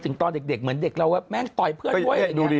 ถึงตอนเด็กเด็กเหมือนเด็กเราแม่งต่อยเพื่อนด้วยดูดิ